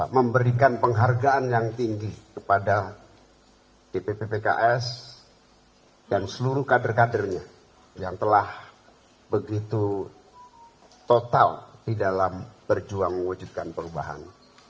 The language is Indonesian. memberikan penghargaan yang tinggi kepada dpp pks dan seluruh kader kadernya yang telah begitu total di dalam berjuang mewujudkan perubahan